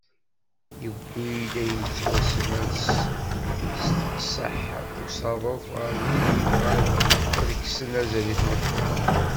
Yewwi-d ad yettwasemres s teqseḥ usaḍuf ɣef wid yebɣan ad kksen azal i tmeṭṭut.